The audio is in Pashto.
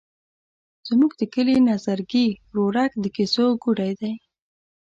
زموږ د کلي نظرګي ورورک د کیسو ګوډی دی.